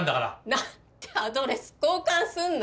何でアドレス交換すんの？